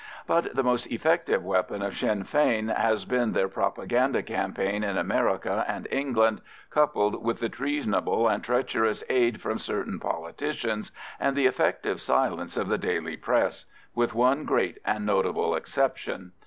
But the most effective weapon of Sinn Fein has been their propaganda campaign in America and England, coupled with the treasonable and treacherous aid from certain politicians and the effective silence of the daily press, with one great and notable exception.